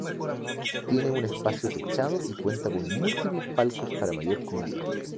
Tiene un espacio techado y cuenta con múltiples palcos para mayor comodidad.